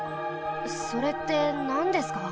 それってなんですか？